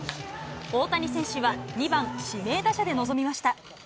大谷選手は２番指名打者で臨みました。